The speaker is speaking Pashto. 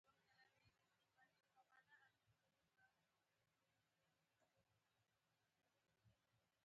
ټولو رپوټونو ویل چې نیت لري.